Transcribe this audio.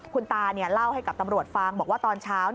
คุณตาเล่าให้กับตำรวจฟังบอกว่าตอนเช้า